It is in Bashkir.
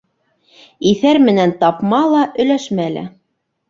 Иҫәр менән тапма ла, өләшмә лә.